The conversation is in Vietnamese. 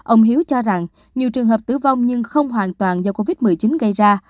ông hiếu cho rằng nhiều trường hợp tử vong nhưng không hoàn toàn do covid một mươi chín gây ra